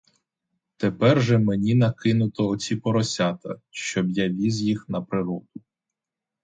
Тепер же мені накинуто оці поросята, щоб я віз їх на природу.